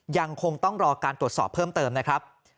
ยังคงต้องรอการตรวจสอบเพิ่มเติมนะครับ